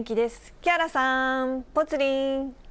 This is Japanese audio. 木原さん、ぽつリン。